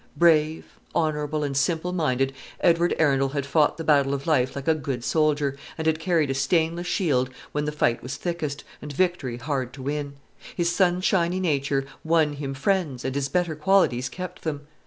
Brave, honourable, and simple minded, Edward Arundel had fought the battle of life like a good soldier, and had carried a stainless shield when the fight was thickest, and victory hard to win. His sunshiny nature won him friends, and his better qualities kept them.